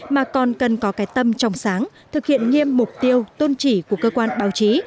mà còn cần có cái tâm tròng sáng thực hiện nghiêm mục tiêu tôn chỉ của cơ quan báo chí